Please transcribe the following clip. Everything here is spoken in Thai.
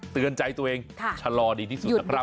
เตือนใจตัวเองชะลอดีที่สุดนะครับ